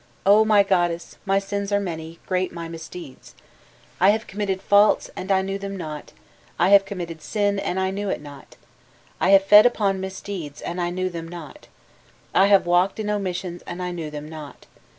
O my goddess, my sins are many, great my misdeeds! I have committed faults and I knew them not; I have committed sin and I knew it not; I have fed upon misdeeds and I knew them not; I have walked in omissions and I knew them not.